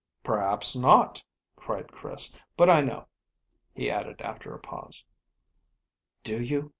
"Perhaps not," cried Chris. "But I know," he added, after a pause. "Do you?